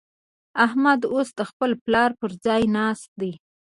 احمد اوس د خپل پلار پر ځای ناست دی.